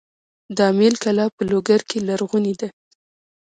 د امیل کلا په لوګر کې لرغونې ده